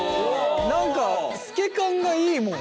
何か透け感がいいもん。